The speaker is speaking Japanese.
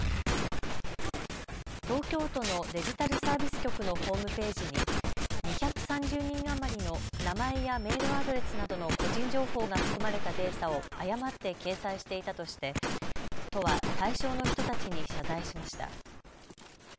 東京都のデジタルサービス局のホームページに２３０人余りの名前やメールアドレスなどの個人情報が含まれたデータを誤って掲載していたとして都は対象の人たちに謝罪しました。